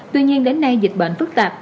tuy nhiên đến nay dịch bệnh phức tạp